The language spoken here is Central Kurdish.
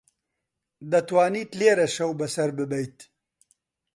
دەتوانیت لێرە شەو بەسەر ببەیت.